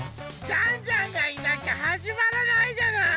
ジャンジャンがいなきゃはじまらないじゃない。